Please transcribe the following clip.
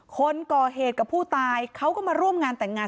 คนก่อเหตุกับผู้ตายเขาก็มาร่วมงานแต่งงาน